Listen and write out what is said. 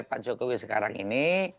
pak jokowi sekarang ini